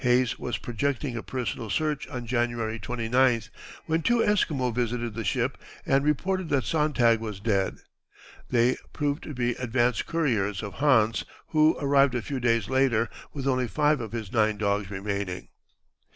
Hayes was projecting a personal search on January 29th, when two Esquimaux visited the ship and reported that Sontag was dead. They proved to be advance couriers of Hans, who arrived a few days later, with only five of his nine dogs remaining.